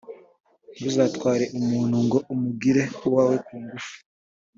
ntuzatware umuntu ngo umugire uwawe ku ngufu.